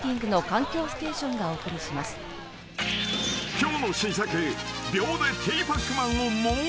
［今日の新作］